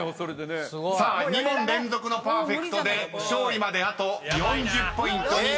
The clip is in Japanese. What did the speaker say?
［さあ２問連続のパーフェクトで勝利まであと４０ポイントになりました］